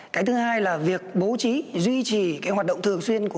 cái thứ hai là việc bố trí duy trì cái hoạt động thường xuyên của